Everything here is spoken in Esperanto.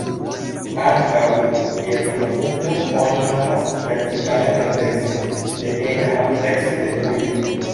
Ankaŭ kiel profundon oni nomas vertikalan grandecon de ena amplekso de ujo.